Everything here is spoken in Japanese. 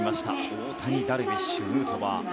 大谷、ダルビッシュヌートバー。